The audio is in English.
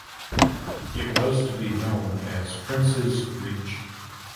It was to be known as "Princes Reach".